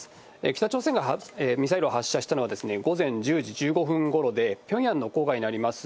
北朝鮮がミサイルを発射したのは午前１０時１５分ごろで、ピョンヤンの郊外にあります